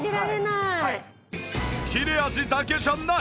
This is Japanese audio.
切れ味だけじゃない！